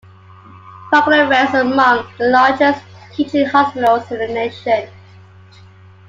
Parkland ranks among the largest teaching hospitals in the nation.